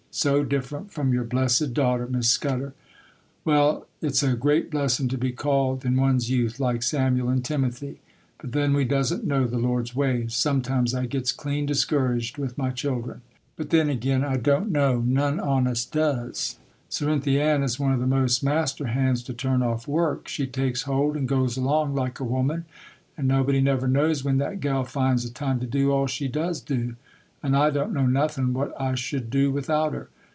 so different from your blessed daughter, Miss Scudder! Well, it's a great blessin' to be called in one's youth, like Samuel and Timothy; but then we doesn't know the Lord's ways. Sometimes I gets clean discouraged with my children,—but then ag'in I don't know; none on us does. Cerinthy Ann is one of the most master hands to turn off work; she takes hold and goes along like a woman, and nobody never knows when that gal finds the time to do all she does do; and I don't know nothin' what I should do without her.